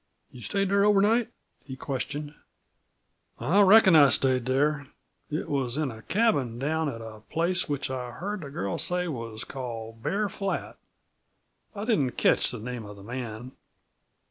"You stayed there over night?" he questioned. "I reckon I stayed there. It was in a cabin down at a place which I heard the girl say was called 'Bear Flat.' I didn't ketch the name of the man."